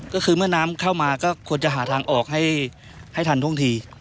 ก็คือเมื่อน้ำเข้ามาก็ควรจะหาทางออกให้ทันท่วงที